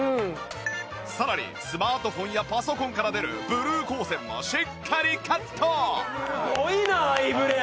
さらにスマートフォンやパソコンから出るブルー光線もしっかりカット！